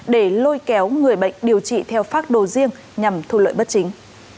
để lôi kéo người bệnh điều trị theo phác đồ riêng nhằm thu lợi bất chính